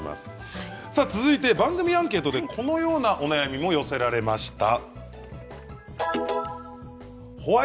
続いて番組アンケートでこのようなお悩みも寄せられました。